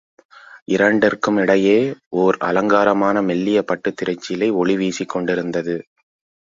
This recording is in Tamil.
இரண்டிற்கும் இடையே ஓர் அலங்காரமான மெல்லிய பட்டுத் திரைச்சீலை ஒளிவீசிக் கொண்டிருந்தது.